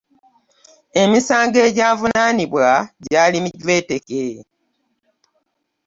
Emisango egyabavunaanibwa gyali mijweteke.